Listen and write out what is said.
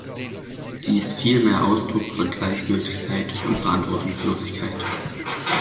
Sie ist vielmehr Ausdruck von Gleichgültigkeit und Verantwortungslosigkeit.